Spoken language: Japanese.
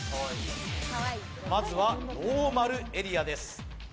まずはノーマルエリアです。